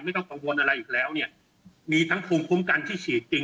ไม่ต้องกังวลอะไรอีกแล้วเนี่ยมีทั้งภูมิคุ้มกันที่ฉีดจริง